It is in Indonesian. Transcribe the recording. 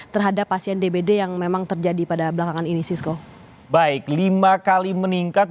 terhadap pasien dbd yang memang terjadi pada belakangan ini sisko baik lima kali meningkat